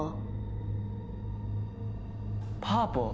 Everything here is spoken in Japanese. パーポー。